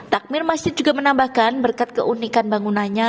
takmir masjid juga menambahkan berkat keunikan bangunannya